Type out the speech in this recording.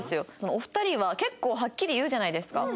お二人は結構はっきり言うじゃないですか。